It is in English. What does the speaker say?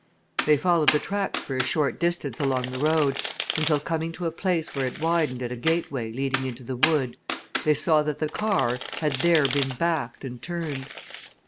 They followed the tracks for a short distance along the road, until, coming to a place where it widened at a gateway leading into the wood, they saw that the car had there been backed and turned.